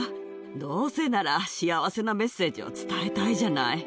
どうせなら幸せなメッセージを伝えたいじゃない。